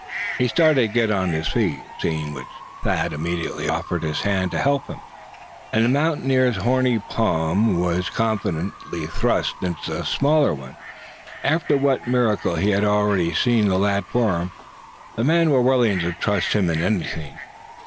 He started to get on his feet, seeing which Thad immediately offered his hand to help him; and the mountaineer's horny palm was confidently thrust into his much smaller one; as though, after what miracle he had already seen the lad perform, the man were willing to trust him in anything.